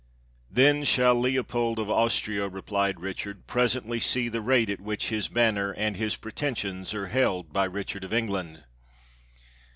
"Then shall Leopold of Austria," repHed Richard, "presently see the rate at which his banner and his pre tensions are held by Richard of England."